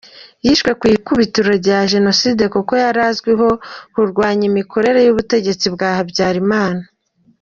Yishwe ku ikubitiro rya Jenoside kuko yari azwiho kurwanya imikorere y’ubutegetsi bwa Habyarimana.